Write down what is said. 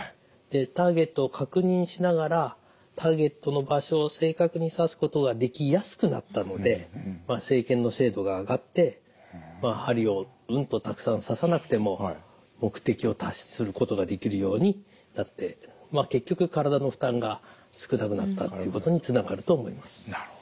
ターゲットを確認しながらターゲットの場所を正確に刺すことができやすくなったので生検の精度が上がって針をうんとたくさん刺さなくても目的を達成することができるようになって結局体の負担が少なくなったということにつながると思います。